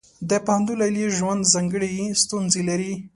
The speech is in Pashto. د پوهنتون لیلیې ژوند ځانګړې ستونزې لري.